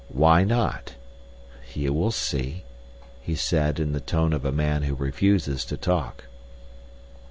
"Why not?" "You will see," he said, in the tone of a man who refuses to talk.